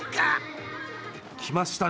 来ましたね。